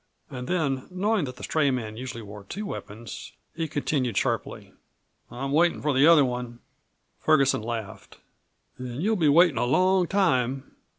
And then, knowing that the stray man usually wore two weapons, he continued sharply: "I'm waiting for the other one." Ferguson laughed. "Then you'll be waitin' a long time.